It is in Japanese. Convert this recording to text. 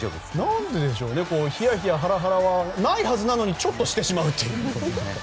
何ででしょうねハラハラしないはずなのにちょっと、してしまうっていう。